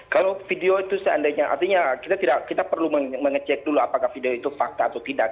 kalau video itu seandainya artinya kita perlu mengecek dulu apakah video itu fakta atau tidak